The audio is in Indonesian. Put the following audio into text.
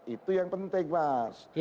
itu yang penting mas